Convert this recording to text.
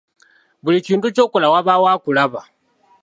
Buli kintu ky’okola wabaawo akulaba.